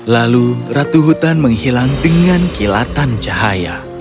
lalu ratu hutan menghilang dengan kilatan cahaya